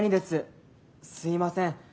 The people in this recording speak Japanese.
すいません。